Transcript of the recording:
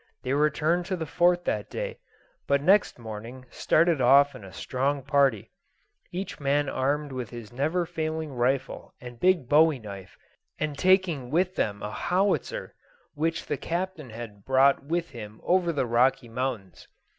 They returned to the Fort that day, but next morning started off in a strong party, each man armed with his never failing rifle and big bowie knife, and taking with them a howitzer which the Captain had brought with him over the Rocky Mountains.